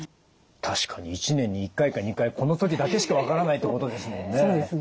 確かに１年に１回か２回この時だけしか分からないってことですもんね。